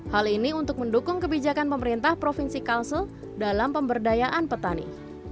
hal ini untuk mendukung kebijakan pemerintah provinsi kalsel dalam pemberdayaan petani